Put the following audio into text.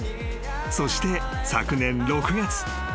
［そして昨年６月］